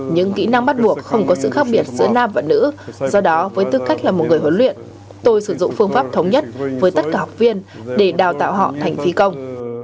những kỹ năng bắt buộc không có sự khác biệt giữa nam và nữ do đó với tư cách là một người huấn luyện tôi sử dụng phương pháp thống nhất với tất cả học viên để đào tạo họ thành phi công